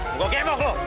enggak kemok lo